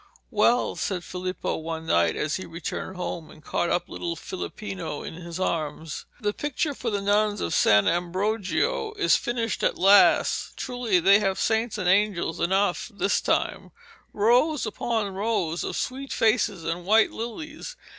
'Well,' said Filippo one night as he returned home and caught up little Filippino in his arms, 'the picture for the nuns of San Ambrogio is finished at last! Truly they have saints and angels enough this time rows upon rows of sweet faces and white lilies.